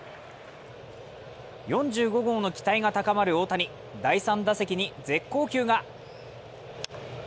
４５号の期待が高まる大谷、第３打席に絶好球が。